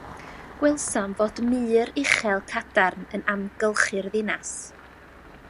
Gwelsom fod mur uchel cadarn yn amgylchu'r ddinas.